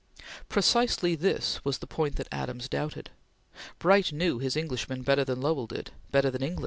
Precisely this was the point that Adams doubted. Bright knew his Englishmen better than Lowell did better than England did.